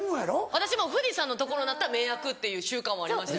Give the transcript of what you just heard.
私も富士山の所になったら目開くっていう習慣はありました。